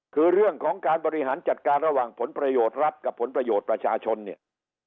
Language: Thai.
คือเรื่องของการบริหารจัดการระหว่างผลประโยชน์รัฐกับผลประโยชน์ประชาชนเนี่ย